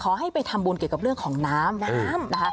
ให้ไปทำบุญเกี่ยวกับเรื่องของน้ำน้ำนะคะ